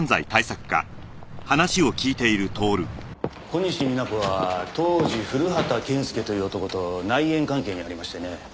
小西皆子は当時古畑健介という男と内縁関係にありましてね。